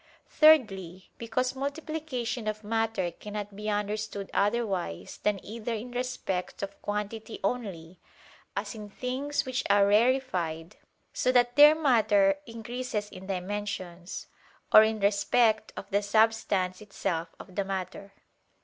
Thirdly, because multiplication of matter cannot be understood otherwise than either in respect of quantity only, as in things which are rarefied, so that their matter increases in dimensions; or in respect of the substance itself of the matter.